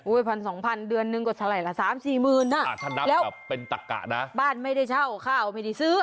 อุ้ย๑๐๐๐๒๐๐๐เดือนหนึ่งก็สลายละ๓๔๐๐๐๐บาทแล้วบ้านไม่ได้เช่าข้าวไม่ได้ซื้อ